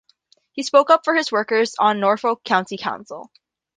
He spoke up for his workers on Norfolk County Council.